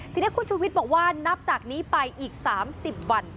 ทีนี้คุณชูวิทย์บอกว่านับจากนี้ไปอีก๓๐วัน